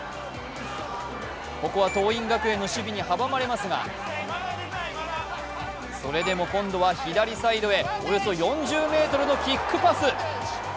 ここは桐蔭学園の守備に阻まれますが、それでも今度は左サイドへおよそ４０ｍのキックパス。